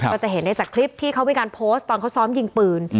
ก็จะเห็นได้จากคลิปที่เขามีการโพสต์ตอนเขาซ้อมยิงปืน